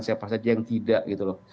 siapa saja yang tidak gitu loh